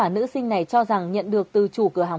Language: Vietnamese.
này cho rằng nhận được từ chủ cửa hàng